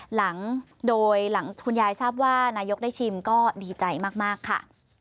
หลังโดยหลังคุณยายทราบว่านายกได้ชิมก็ดีใจมากค่ะ